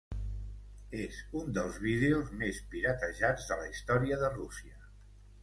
És un dels vídeos més piratejats de la història de Rússia.